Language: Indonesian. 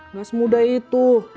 gak semudah itu